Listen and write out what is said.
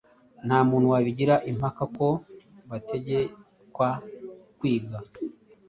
Nta muntu wabigira impaka ko bategekwa kwiga